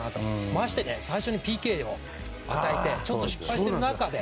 まして、最初にＰＫを与えてちょっと失敗してる中で。